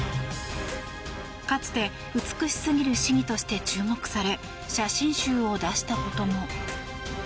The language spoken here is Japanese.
かつて美しすぎる市議として注目され写真集を出したことも。